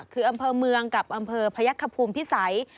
คืออำเภอเมืองกับอำเภอพยักษภูมิพิสัย